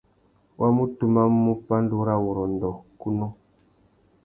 Wa mú tumamú pandúrâwurrôndô kunú.